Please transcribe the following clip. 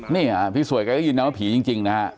นี่พี่สวยแกก็ยินนะว่าผีจริงนะฮะ